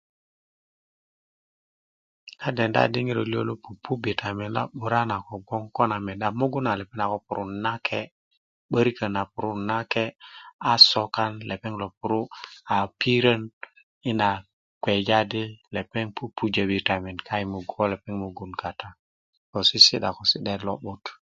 na denda di ŋiro lio lo pupu bitamen na 'bura na kogwon ko nan meda mugun na lepeŋ na purun nake 'böriköt na puru nake a sokan lepeŋ lo puru a pirön i na kpeja di lepeŋ pupujö bitamen kai ko lepeŋ mugun kata 'dok sisi'da ko si'daet lo'but